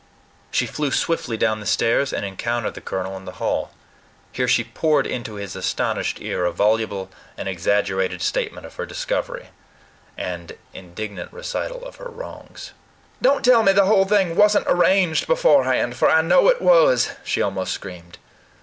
She flew swiftly down the stairs, and encountered the colonel in the hall. Here she poured into his astonished ear a voluble and exaggerated statement of her discovery, and indignant recital of her wrongs. "Don't tell me the whole thing wasn't arranged beforehand; for I know it was!" she almost screamed.